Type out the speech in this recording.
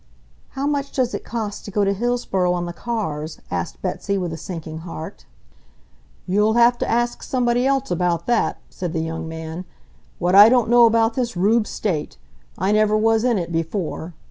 "How much does it cost to go to Hillsboro on the cars?" asked Betsy with a sinking heart. "You'll have to ask somebody else about that," said the young man. "What I don't know about this Rube state! I never was in it before."